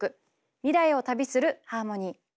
「未来を旅するハーモニー」。